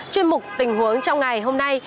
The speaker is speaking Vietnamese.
chuyên mục tình huống trong ngày hôm nay